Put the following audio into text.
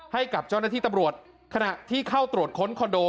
ให้กับเจ้าหน้าที่ตำรวจขณะที่เข้าตรวจค้นคอนโด